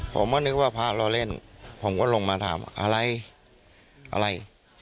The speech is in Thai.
ผมก็นึกว่าพระเราเล่นผมก็ลงมาถามอะไรอะไร